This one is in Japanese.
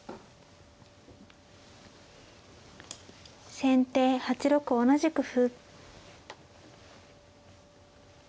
先手８六同じく歩。